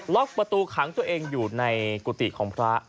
ล็อกประตูขังตัวเองอยู่ในกุฏิของพระ